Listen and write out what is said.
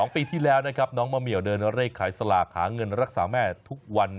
๒ปีที่แล้วน้องเม่าเหมียวเดินเรคขายสลากแรกสลากรักษาแม่ทุกวัน